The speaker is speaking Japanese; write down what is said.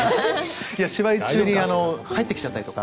芝居中に入ってきちゃったりとか。